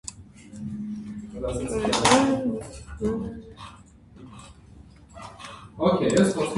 Հայկական տարանուններն են անանեխ, անուխ, դաղձ, նանա, պիտնա, պուտինա, քարանուխ, քարընշուշ։